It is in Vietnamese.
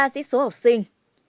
dĩ số học sinh